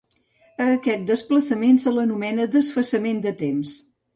A aquest desplaçament, se l'anomena desfasament de temps.